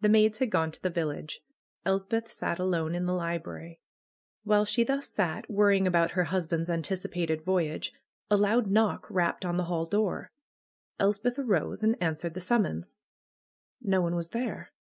The maids had gone to the village. Elspeth sat alone in the library. While she thus sat, worrying about her husband's anticipated voyage, a loud knock rapped on the hall door. Elspeth arose and answered the summons. No one was there.